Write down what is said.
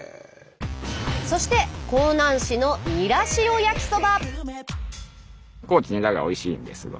そして香南市のニラ塩焼きそば。